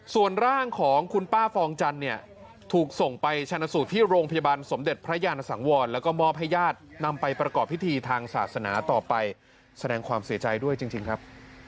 ส่วนร่างของคุณป้าฟองจันทร์เนี่ยถูกส่งไปชนะสูตรที่โรงพยาบาลสมเด็จพระยานสังวรแล้วก็มอบให้ญาตินำไปประกอบพิธีทางศาสนาต่อไปแสดงความเสียใจด้วยจริงครับ